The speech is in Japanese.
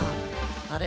あれ？